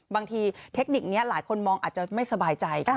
เทคนิคนี้หลายคนมองอาจจะไม่สบายใจ